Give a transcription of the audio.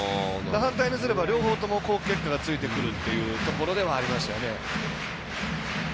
反対にすれば両方とも好結果がついてくるというところではありましたよね。